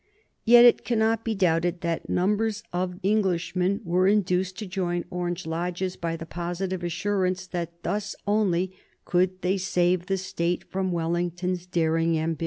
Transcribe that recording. Yet it cannot be doubted that numbers of Englishmen were induced to join Orange lodges by the positive assurance that thus only could they save the State from Wellington's daring ambition.